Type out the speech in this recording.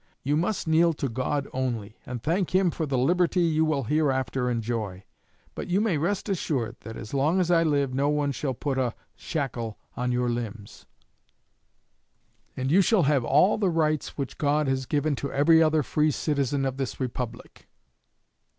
You must kneel to God only, and thank Him for the liberty you will hereafter enjoy. I am but God's humble instrument; but you may rest assured that as long as I live no one shall put a shackle on your limbs, and you shall have all the rights which God has given to every other free citizen of this Republic.'